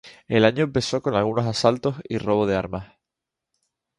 El año empezó con algunos asaltos y robo de armas.